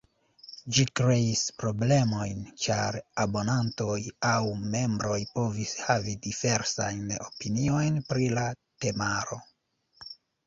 Ĝi kreis problemojn, ĉar abonantoj aŭ membroj povis havi diversajn opiniojn pri la temaro.